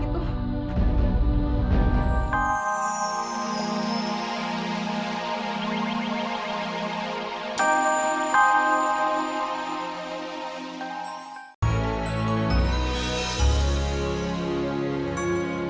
kenapa sih nakal sekali anak itu